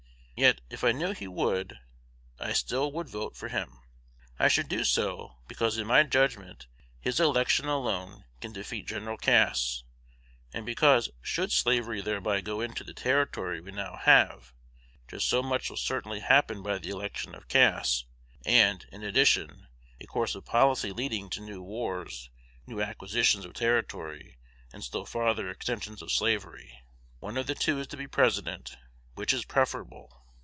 Yet, if I knew he would, I still would vote for him. I should do so, because, in my judgment, his election alone can defeat Gen. Cass; and because, should slavery thereby go into the territory we now have, just so much will certainly happen by the election of Cass, and, in addition, a course of policy leading to new wars, new acquisitions of territory, and still farther extensions of slavery. One of the two is to be President; which is preferable?